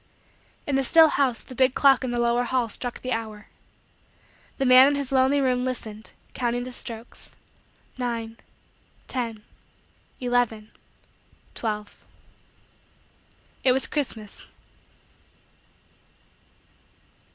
In the still house, the big clock in the lower hall struck the hour. The man in his lonely room listened, counting the strokes nine ten eleven twelve. It was Christmas.